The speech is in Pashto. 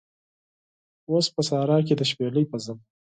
اوس په سارا کې د شپیلۍ په ژبه